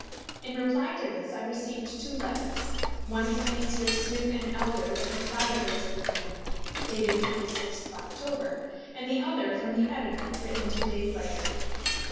In reply to this I received two letters, one from Messrs. Smith & Elder, the proprietors of the Cornhill, dated 26th of October, and the other from the editor, written two days later.